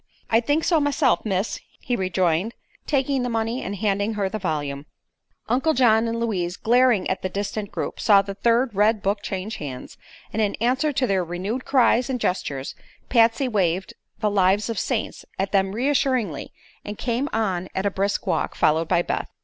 "I think so, myself, miss," he rejoined, taking the money and handing her the volume. Uncle John and Louise, glaring at the distant group, saw the third red book change hands, and in answer to their renewed cries and gestures Patsy waved the "Lives of the Saints" at them reassuringly and came on at a brisk walk, followed by Beth.